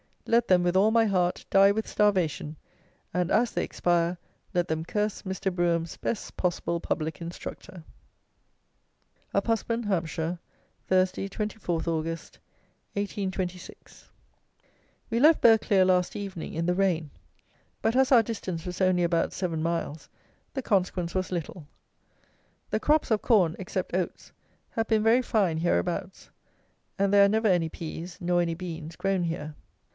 Let them, with all my heart, die with starvation, and as they expire, let them curse Mr. BROUGHAM'S best possible public Instructor." Uphusband (Hampshire), Thursday, 24th Aug. 1826. We left Burghclere last evening, in the rain; but as our distance was only about seven miles, the consequence was little. The crops of corn, except oats, have been very fine hereabouts; and there are never any pease, nor any beans, grown here.